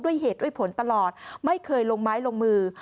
ด้วยเหตุด้วยผลตลอดไม่เคยลงไม้ลงมือ